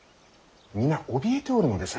皆おびえておるのです。